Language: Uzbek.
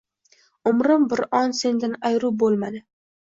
Umrim bir on sendan ayru bo’lmadi